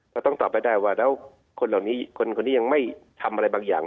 ก็ต้องตอบให้ได้ว่าแล้วคนเหล่านี้คนนี้ยังไม่ทำอะไรบางอย่าง